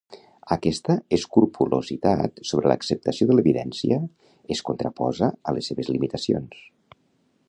Aquesta escrupolositat sobre l'acceptació de l'evidència es contraposa a les seves limitacions.